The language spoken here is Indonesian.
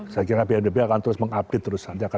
saya kira bnpb akan terus mengupdate terus